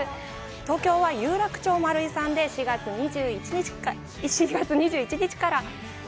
東京は有楽町マルイさんで４月２１日から。